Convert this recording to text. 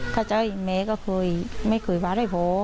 ถ้าใจแม่ก็เคยไม่เคยว่าอะไรพ่อ